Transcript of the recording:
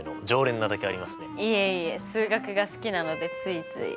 いえいえ数学が好きなのでついつい。